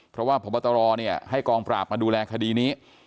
เพราะว่าพบตรให้กองปราบมาดูแลคดีนี้